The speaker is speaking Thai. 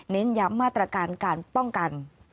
ย้ำมาตรการการป้องกัน